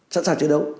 sẵn sàng chiến đấu